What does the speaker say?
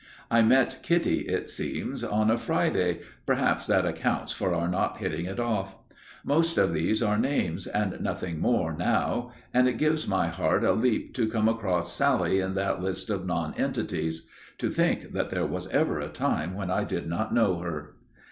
(I met Kitty, it seems, on a Friday perhaps that accounts for our not hitting it off!) Most of these are names, and nothing more, now, and it gives my heart a leap to come across Sally in that list of nonentities. (To think that there was ever a time when I did not know her!)